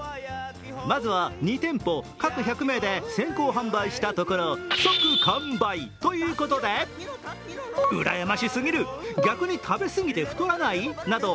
まずは２店舗各１００名で先行販売したところ即完売ということでうらやましすぎる、逆に食べすぎて太らない？など